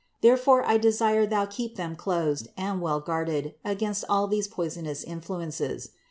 Therefore I desire that thou keep them closed and well guarded against all these poisonous influences.